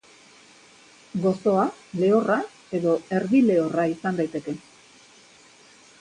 Gozoa, lehorra edo erdi-lehorra izan daiteke.